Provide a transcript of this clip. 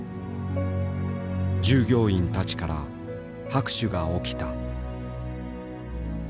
従業員たちから拍手が起きた。